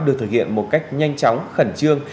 được thực hiện một cách nhanh chóng khẩn trương